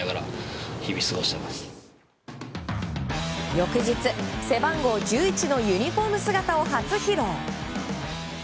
翌日、背番号１１のユニホーム姿を初披露。